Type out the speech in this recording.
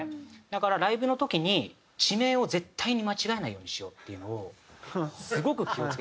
だからライブの時に地名を絶対に間違えないようにしようっていうのをすごく気を付けてる。